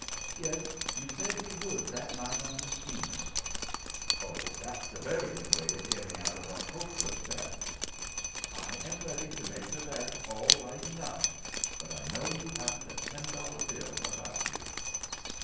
"Yes, you said you would that night on the steamer." "Oh, that's a very good way of getting out of a hopeless bet." "I am ready to make the bet all right enough, but I know you haven't a ten dollar bill about you."